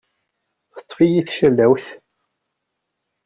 Teṭṭef-iyi tcallawt.